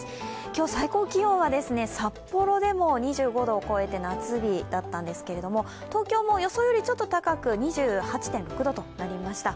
今日、最高気温は札幌でも２５度を超えて夏日だったんですが東京も予想よりちょっと高く２８．６度となりました。